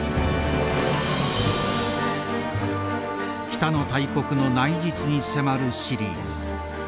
北の大国の内実に迫るシリーズ。